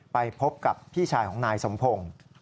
ไปพบกับพี่ชายของนายสมพงศ์